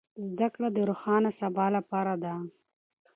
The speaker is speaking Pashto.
زده کړه د روښانه سبا لاره ده.